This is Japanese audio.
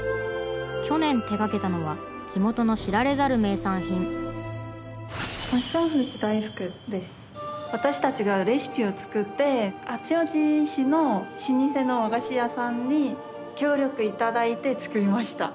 去年手がけたのは地元の知られざる名産品私たちがレシピを作って八王子市の老舗の和菓子屋さんに協力いただいて作りました。